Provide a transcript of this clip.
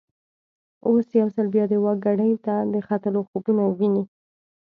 اوس یو ځل بیا د واک ګدۍ ته د ختلو خوبونه ویني.